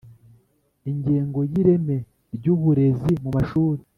Ingingo y Ireme ry uburezi mu mashuri